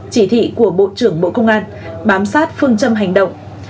chỉ thị của bộ trưởng bộ công an bám sát phương châm hành động